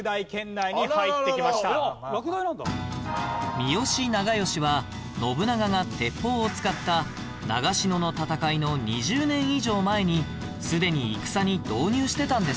三好長慶は信長が鉄砲を使った長篠の戦いの２０年以上前にすでに戦に導入してたんですよ